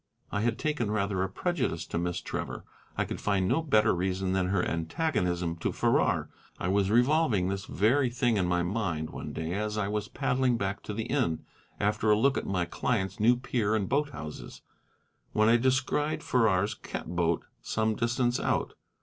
I had taken rather a prejudice to Miss Trevor. I could find no better reason than her antagonism to Farrar. I was revolving this very thing in my mind one day as I was paddling back to the inn after a look at my client's new pier and boat houses, when I descried Farrar's catboat some distance out.